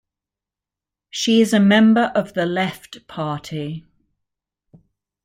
She is a member of the Left Party.